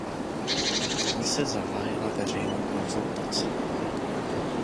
Komise zahájila veřejnou konzultaci.